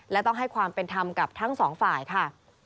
และต้องให้ความเป็นธรรมกับทั้งสองฝ่ายค่ะ